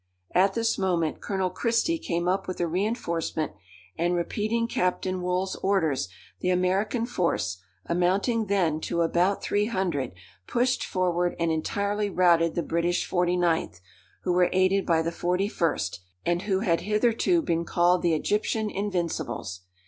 At this moment, Colonel Christie came up with a reinforcement, and repeating Captain Wool's orders, the American force, amounting then to about three hundred, pushed forward and entirely routed the British 49th, who were aided by the 41st, and who had hitherto been called the Egyptian Invincibles.